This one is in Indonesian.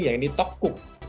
yang ini tokguk